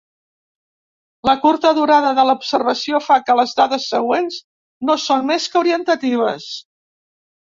La curta durada de l'observació fa que les dades següents no són més que orientatives.